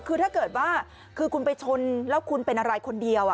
คือถ้าเกิดว่าคือคุณไปชนแล้วคุณเป็นอะไรคนเดียว